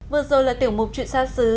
vừa rồi là tiểu mục chuyện xa xứ